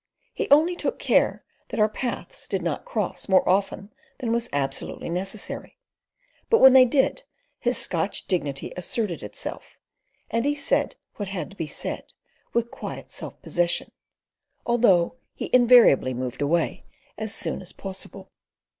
He only took care that our paths did not cross more often than was absolutely necessary; but when they did, his Scotch dignity asserted itself, and he said what had to be said with quiet self possession, although he invariably moved away as soon as possible.